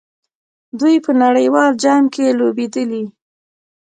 دوی په نړیوال جام کې لوبېدلي.